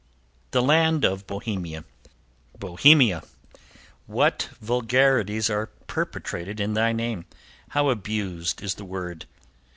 The Land of Bohemia Bohemia! What vulgarities are perpetrated in thy name! How abused is the word!